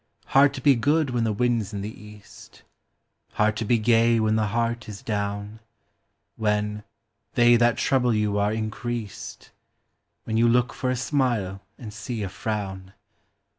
Hard to be good when the wind 's in the east ; Hard to be gay when the heart is down ; When " they that trouble you are increased," When you look for a smile and see a frown.